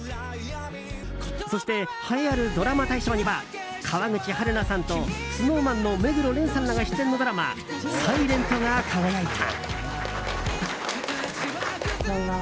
そして栄えあるドラマ大賞には川口春奈さんとＳｎｏｗＭａｎの目黒蓮さんらが出演のドラマ「ｓｉｌｅｎｔ」が輝いた。